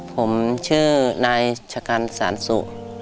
ผมชื่อนายชะกันสารสุ